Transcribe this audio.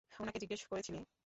উনাকে জিজ্ঞেস করেছিলি?